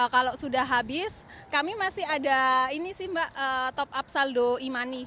kalau sudah habis kami masih ada ini sih mbak top up saldo e money